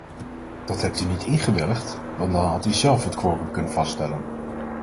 Dat hebt u niet ingewilligd, want dan had u zelf het quorum kunnen vaststellen.